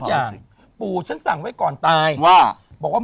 สีเหลืองนี่ครับ